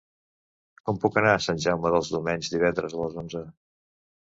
Com puc anar a Sant Jaume dels Domenys divendres a les onze?